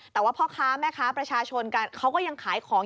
แต่ว่าพ่อค้าแม่ค้าประชาชนกันเขาก็ยังขายของ